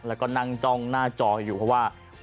แล้วก็นั่งจ้องหน้าจออยู่เพราะว่า